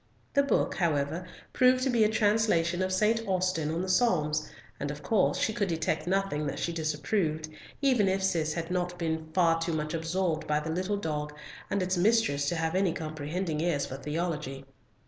The book, however, proved to be a translation of St. Austin on the Psalms, and, of course, she could detect nothing that she disapproved, even if Cis had not been far too much absorbed by the little dog and its mistress to have any comprehending ears for theology.